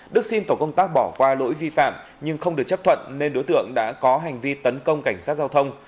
đức xin tổ công tác bỏ qua lỗi vi phạm nhưng không được chấp thuận nên đối tượng đã có hành vi tấn công cảnh sát giao thông